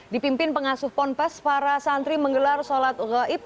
dipimpin pengasuh ponpes para santri menggelar sholat gaib